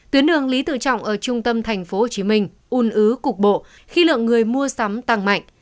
tuyến đường lý tự trọng ở trung tâm tp hcm un ứ cục bộ khi lượng người mua sắm tăng mạnh